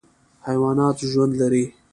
حیوانات ژوند لري.